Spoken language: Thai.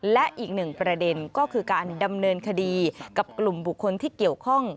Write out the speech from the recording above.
และอีกหนึ่งประเด็นก็คือการดำเนินคดีกับกลุ่มบุคคลที่เกี่ยวข้อง